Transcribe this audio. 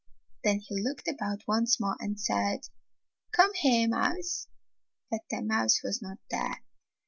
Then he looked about once more and said, "Come here, mouse." But the mouse was not there.